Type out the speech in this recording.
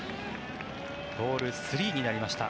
ボールスリーになりました。